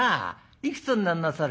いくつになんなさる？」。